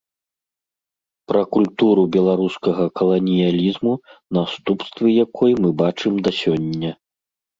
Пра культуру беларускага каланіялізму, наступствы якой мы бачым да сёння.